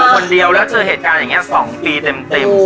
คนเดียวแล้วเจอเหตุการณ์อย่างนี้๒ปีเต็ม